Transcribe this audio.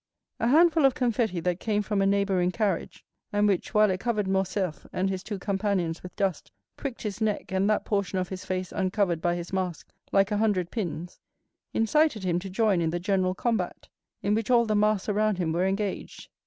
A handful of confetti that came from a neighboring carriage, and which, while it covered Morcerf and his two companions with dust, pricked his neck and that portion of his face uncovered by his mask like a hundred pins, incited him to join in the general combat, in which all the masks around him were engaged.